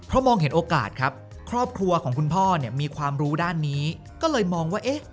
มองเห็นโอกาสครับครอบครัวของคุณพ่อเนี่ยมีความรู้ด้านนี้ก็เลยมองว่าเอ๊ะ